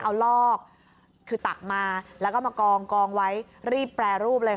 เอาลอกคือตักมาแล้วก็มากองไว้รีบแปรรูปเลยค่ะ